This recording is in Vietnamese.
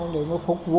để mà phục vụ